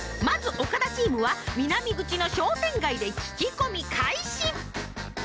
まずおかだチームは南口の商店街で聞き込み開始。